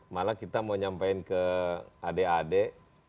malah kita mau nyampaikan ke adik adik